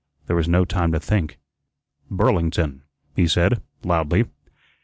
There was no time to think. "Burlington," he said, loudly.